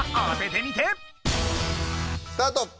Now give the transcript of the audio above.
スタート！